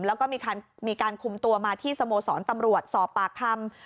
แล้วก็มีการคุมตัวมาที่สโมสรตำรวจสอบปากคำ